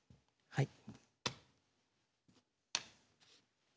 はい。